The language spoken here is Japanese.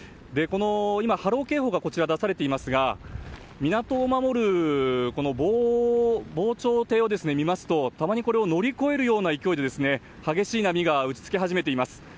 今、波浪警報がこちらには出されていますが港を守る、防潮堤を見ますとたまにこれを乗り越えるような勢いで激しい波が打ち付け始めています。